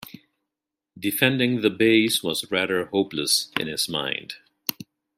Defending the base was rather hopeless, in his mind.